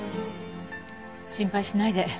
心配しないで。